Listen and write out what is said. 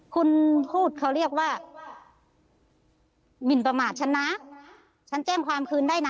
คุณทูตเขาเรียกว่าหมินประมาทฉันนะฉันแจ้งความคืนได้นะ